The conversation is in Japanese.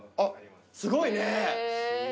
すごいね。